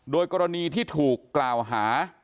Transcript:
โดยกรณีที่ถูกกล่าวหา